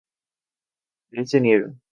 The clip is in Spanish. Él se niega.